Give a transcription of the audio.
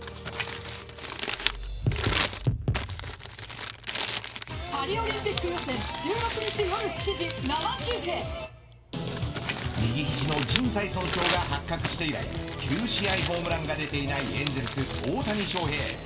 その瞬間は右肘の靱帯損傷が発覚して以来９試合ホームランが出ていないエンゼルス大谷翔平。